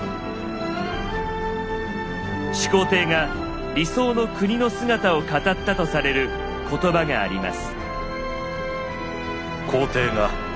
始皇帝が理想の国の姿を語ったとされる言葉があります。